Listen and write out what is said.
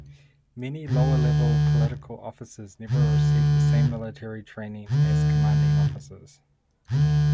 Many lower-level political officers never received the same military training as commanding officers.